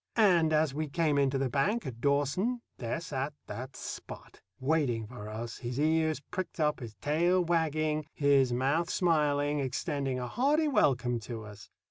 And as we came in to the bank at Dawson, there sat that Spot, waiting for us, his ears pricked up, his tail wagging, his mouth smiling, extending a hearty welcome to us.